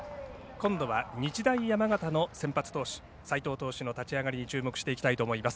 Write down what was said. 今度は日大山形の先発投手齋藤投手の立ち上がりに注目していきたいと思います。